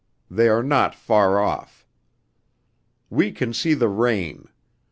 They are not far off. "We can see the rain.